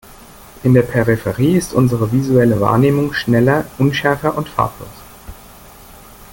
In der Peripherie ist unsere visuelle Wahrnehmung schneller, unschärfer und farblos.